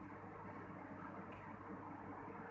แต่ว่าจะเป็นแบบนี้